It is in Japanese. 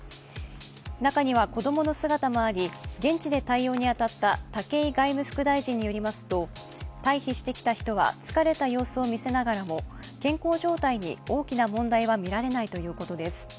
中には子供の姿もあり、現地で対応に当たった武井外務副大臣によりますと退避してきた人は疲れた様子を見せながらも健康状態に大きな問題はみられないということです。